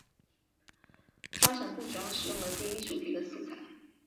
发展部主要使用了第一主题的素材。